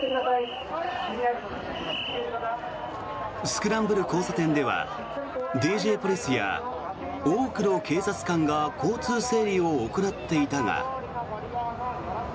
スクランブル交差点ではＤＪポリスや多くの警察官が交通整理を行っていたが。